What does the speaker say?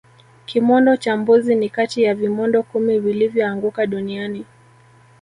kimondo cha mbozi ni Kati ya vimondo kumi vilivyoanguka duniani